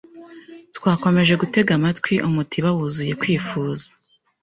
Twakomeje gutega amatwi umutiba wuzuye kwifuza